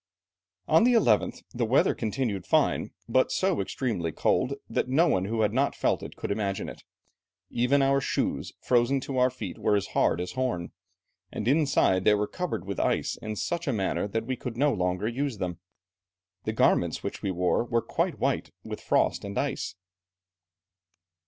"On the 11th, the weather continued fine, but so extremely cold, that no one who had not felt it could imagine it; even our shoes, frozen to our feet, were as hard as horn, and inside they were covered with ice in such a manner that we could no longer use them. The garments which we wore were quite white with frost and ice."